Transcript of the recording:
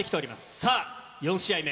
さあ、４試合目。